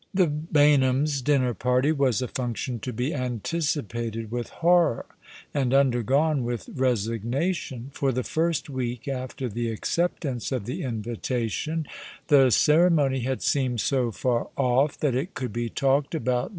The Baynhams' dinner party was a function to be antici pated with horror, and undergone with resignation. For the first week after the acceptance of the invitation the ceremony had seemed so far off that it could be talked about 170 All along the River.